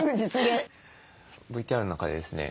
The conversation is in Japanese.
ＶＴＲの中でですね